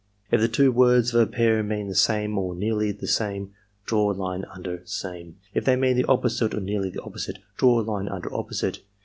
" 'If the two words of a pair mean the same or nearly the same draw a line mider same. If they mean the opposite or nearly the opposite, draw a line under opposite.